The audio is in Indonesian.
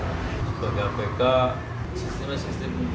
sebagai apk sistemnya sistem